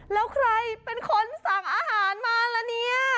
แล้วใครเป็นคนสั่งอาหารมาละเนี่ย